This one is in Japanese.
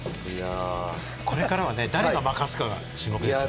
これからは誰が負かすか注目ですね。